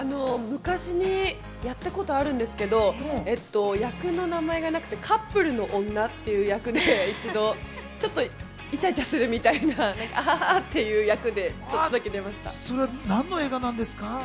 昔、やったことあるんですけど、役の名前がなくて、カップルの女っていう役で一度ちょっとイチャイチャするみたいな、アハハっていう役でやり何の映画なんですか？